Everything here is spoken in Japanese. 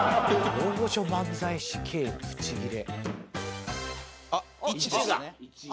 「大御所漫才師Ｋブチギレ」